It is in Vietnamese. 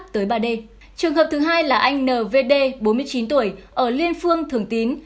trường hợp thứ hai là anh nvd bốn mươi chín tuổi ở liên phương thường tín